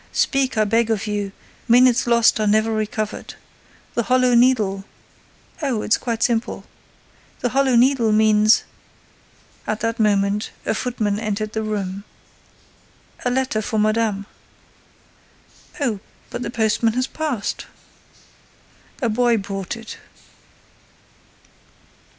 Speak, I beg of you: minutes lost are never recovered. The Hollow Needle—" "Oh, it's quite simple. The Hollow Needle means—" At that moment, a footman entered the room: "A letter for madame." "Oh, but the postman has passed!" "A boy brought it."